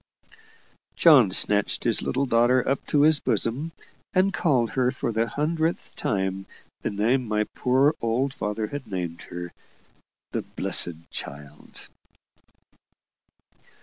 John snatched his little daughter up to his bosom, and called her for the hundredth time the name my poor old father had named her the "blessed" child.